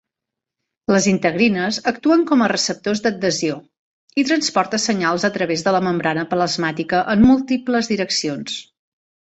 Les integrines actuen com a receptors d'adhesió i transporta senyals a través de la membrana plasmàtica en múltiples direccions.